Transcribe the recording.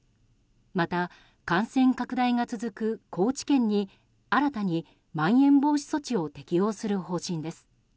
また、感染拡大が続く高知県に新たに、まん延防止措置を適用する方針です。